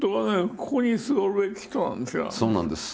ここに座るべき人なんですよ。